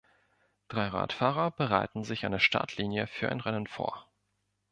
Drei Radfahrer bereiten sich an der Startlinie für ein Rennen vor.